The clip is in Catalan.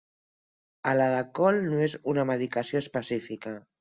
El Hadacol no és una medicació específica.